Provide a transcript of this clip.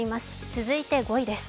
続いて５位です。